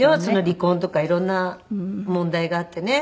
離婚とか色んな問題があってね。